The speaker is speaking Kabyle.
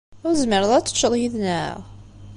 Ur tezmireḍ ara ad teččeḍ yid-neɣ?